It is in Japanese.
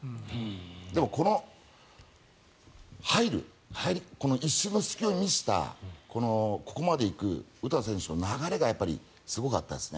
でもこの入る、一瞬の隙を見せたここまで行く詩選手の流れがすごかったですね。